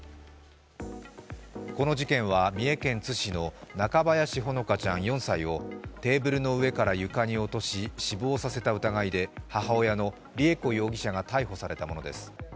この事件は三重県津市の中林ほのかちゃん４歳をテーブルの上から床に落とし死亡させた疑いで母親のりゑ子容疑者が逮捕されたものです。